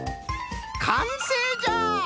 かんせいじゃ！